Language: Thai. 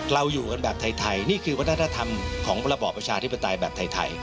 เราอยู่กันแบบไทยนี่คือวัฒนธรรมของระบอบประชาธิปไตยแบบไทย